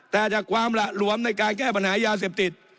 แต่จากความหละหลวมในการแก้ปัญหายาเสพติด